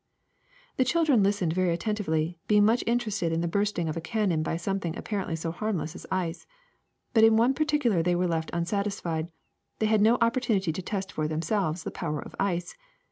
'' The children listened very attentively, being much interested in the bursting of a cannon by something apparently so harmless as ice. But in one partic ular they were left unsatisfied: they had no oppor tunity to test for themselves the power of ice.